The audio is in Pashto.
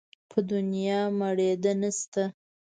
په دونيا مړېده نه شته.